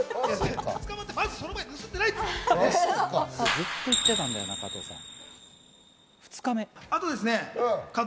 ずっと言ってたんだよな、加藤さん。